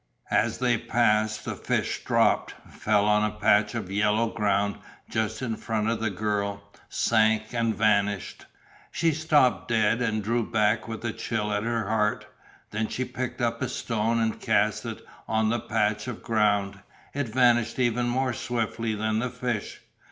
As they passed the fish dropped, fell on a patch of yellow ground just in front of the girl, sank, and vanished. She stopped dead and drew back with a chill at her heart. Then she picked up a stone and cast it on the patch of ground. It vanished even more swiftly than the fish.